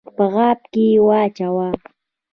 په غاب کي یې واچوه !